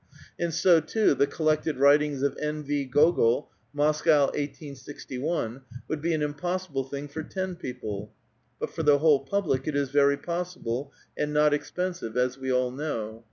And so, too, the '' Collected Writings of N. V^. Gogol, Moscow, 1861," would be an impossible thing for ten people ; but for the whole public it is very possible, and not expensive, as we all know.